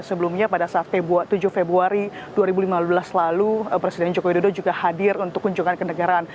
sebelumnya pada saat tujuh februari dua ribu lima belas lalu presiden jokowi dodo juga hadir untuk kunjungan kenegaraan